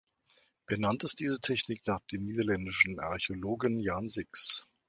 Benannt ist diese Technik nach dem niederländischen Archäologen Jan Six.